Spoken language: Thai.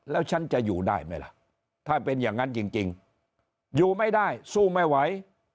แล้วฉันจะอยู่ได้ไหมล่ะถ้าเป็นอย่างนั้นจริงอยู่ไม่ได้สู้ไม่ไหว